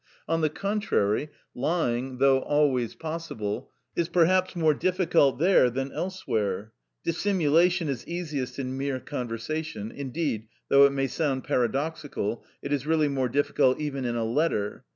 On the contrary, lying (though always possible) is perhaps more difficult there than elsewhere. Dissimulation is easiest in mere conversation; indeed, though it may sound paradoxical, it is really more difficult even in a letter.